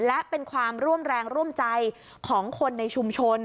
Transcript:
และเป็นความร่วมแรงร่วมใจของคนในชุมชน